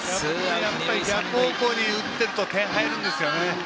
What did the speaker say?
逆方向に打っていると点が入るんですよね。